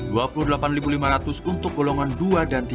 rp dua puluh delapan lima ratus untuk golongan dua dan tiga